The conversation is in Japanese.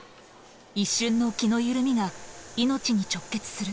一瞬の気の緩みが命に直結する。